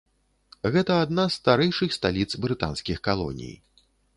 Гэта адна з старэйшых сталіц брытанскіх калоній.